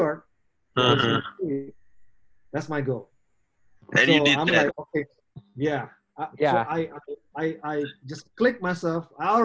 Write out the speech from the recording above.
jadi saya saya saya hanya klik diri saya sendiri